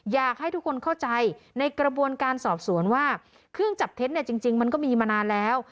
อยากให้ทุกคนเข้าใจในกระบวนการสอบสวนว่าเครื่องจับเท็จเนี่ยจริงมันก็มีมานานแล้ว